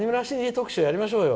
特集やりましょう。